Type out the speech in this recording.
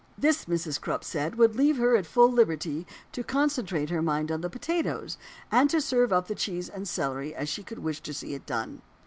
This,' Mrs. Crupp said, 'would leave her at full liberty to concentrate her mind on the potatoes, and to serve up the cheese and celery as she could wish to see it done.'"